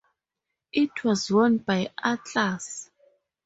It was won by Atlas.